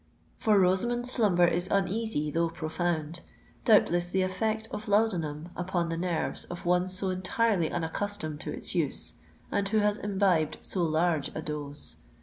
For Rosamond's slumber is uneasy, though profound,—doubtless the effect of laudanum upon the nerves of one so entirely unaccustomed to its use, and who has imbibed so large a dose!